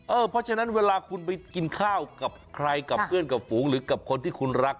เพราะฉะนั้นเวลาคุณไปกินข้าวกับใครกับเพื่อนกับฝูงหรือกับคนที่คุณรัก